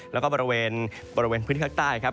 แล้วก็บริเวณพื้นที่ภาคใต้ครับ